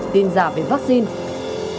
tin giả về vaccine